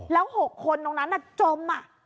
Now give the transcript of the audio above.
แล้ว๖คนตรงนั้นน่ะจมอ่ะ